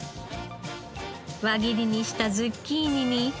輪切りにしたズッキーニに。